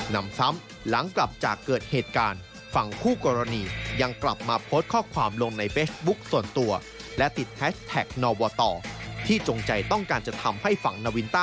นำซ้ำหลังกลับจากเกิดเหตุการณ์